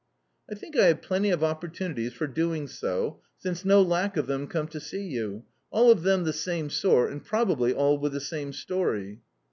"I think I have plenty of opportunities for doing so, since no lack of them come to see you all of them the same sort, and probably all with the same story."